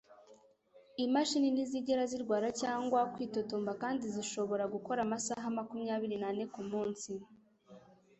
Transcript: imashini ntizigera zirwara cyangwa kwitotomba kandi zirashobora gukora amasaha makumyabiri n'ane kumunsi